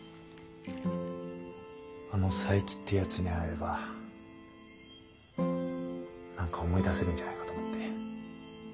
あの佐伯ってやつに会えれば何か思い出せるんじゃないかと思って。